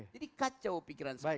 jadi kacau pikiran semua